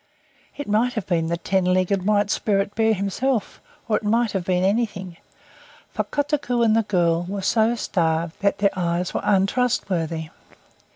It might have been the Ten legged White Spirit Bear himself, or it might have been anything, for Kotuko and the girl were so starved that their eyes were untrustworthy.